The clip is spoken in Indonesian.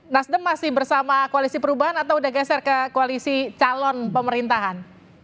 nasdem masih bersama koalisi perubahan atau udah geser ke koalisi calon pemerintahan